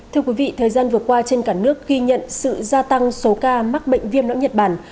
thưa quý vị thời gian vừa qua trên cả nước ghi nhận sự gia tăng số ca mắc bệnh viêm não nhật bản